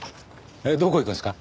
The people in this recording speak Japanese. えっどこ行くんですか？